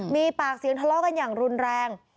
มีปากเสียงทะเลาะกันอย่างรุนแรง